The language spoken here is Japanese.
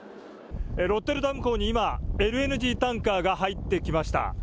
ロッテルダム港に今、ＬＮＧタンカーが入ってきました。